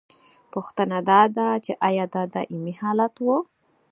پوښتنه دا ده چې ایا دا دائمي حالت و؟